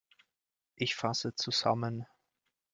Ich fasse zusammen.